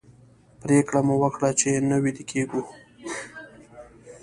پرېکړه مو وکړه چې نه ویده کېږو.